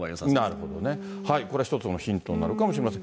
なるほど、これ、一つのヒントになるかもしれません。